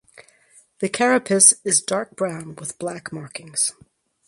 The carapace is dark brown with black markings.